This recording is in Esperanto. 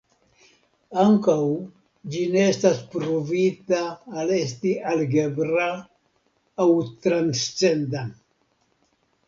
Ankaŭ, ĝi ne estas pruvita al esti algebra aŭ transcenda.